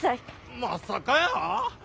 まさかやー。